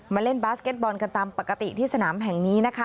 เล่นบาสเก็ตบอลกันตามปกติที่สนามแห่งนี้นะคะ